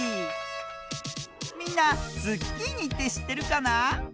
みんなズッキーニってしってるかな？